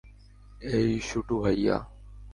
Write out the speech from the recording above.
অ্যাই শুটু ভাইয়া!